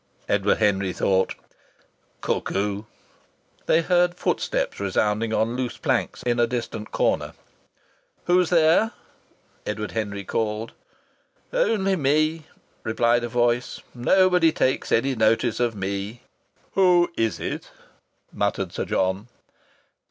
Edward Henry thought: "Cuckoo!" They heard footsteps resounding on loose planks in a distant corner. "Who's there?" Edward Henry called. "Only me!" replied a voice. "Nobody takes any notice of me!" "Who is it?" muttered Sir John.